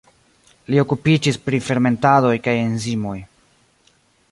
Li okupiĝis pri fermentadoj kaj enzimoj.